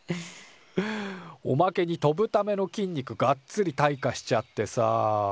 おまけに飛ぶための筋肉がっつり退化しちゃってさ。